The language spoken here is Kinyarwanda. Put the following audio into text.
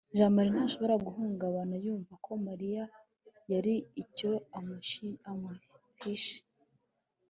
jamali ntashobora guhungabana yumva ko mariya hari icyo amuhishe